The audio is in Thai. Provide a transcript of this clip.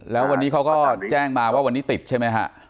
แล้ววันนี้เขาก็แจ้งมาว่าวันนี้ติดใช่ไหมฮะ